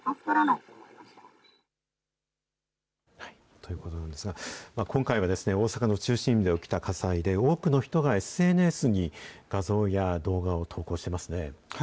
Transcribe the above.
ということなんですが、今回は大阪の中心部で起きた火災で、多くの人がＳＮＳに画像や動画を投稿していますね。